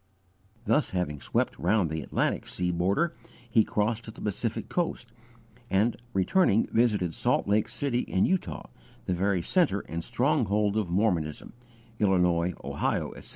Thus having swept round the Atlantic sea border, he crossed to the Pacific coast, and returning visited Salt Lake City in Utah the very centre and stronghold of Mormonism Illinois, Ohio, etc.